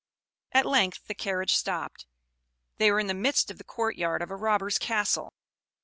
At length the carriage stopped. They were in the midst of the court yard of a robber's castle.